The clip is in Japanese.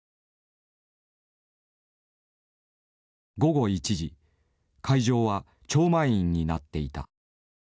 午後１時会場は超満員になっていた。